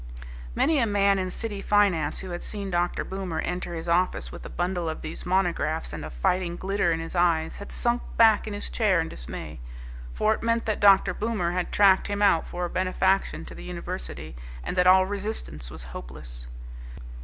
Many a man in city finance who had seen Dr. Boomer enter his office with a bundle of these monographs and a fighting glitter in his eyes had sunk back in his chair in dismay. For it meant that Dr. Boomer had tracked him out for a benefaction to the University, and that all resistance was hopeless.